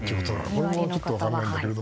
これもちょっと分からないけど